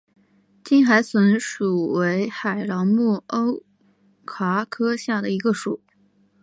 全海笋属为海螂目鸥蛤科下的一个属。